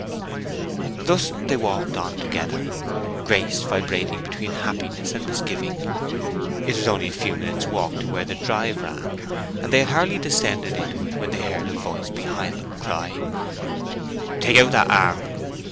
Thus they walked on together. Grace vibrating between happiness and misgiving. It was only a few minutes' walk to where the drive ran, and they had hardly descended into it when they heard a voice behind them cry, "Take out that arm!"